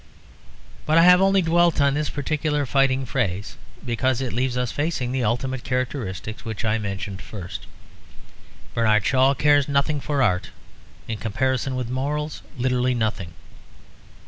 But I have only dwelt on this particular fighting phase because it leaves us facing the ultimate characteristics which I mentioned first. Bernard Shaw cares nothing for art; in comparison with morals, literally nothing.